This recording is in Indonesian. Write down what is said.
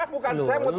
bukan saya mau tanya